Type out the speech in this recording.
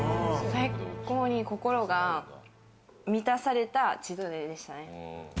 最高に心が満たされたチートデイでしたね。